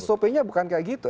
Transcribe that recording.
sop nya bukan kayak gitu